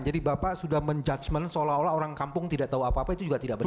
jadi bapak sudah menjudgemen seolah olah orang kampung tidak tahu apa apa itu juga tidak benar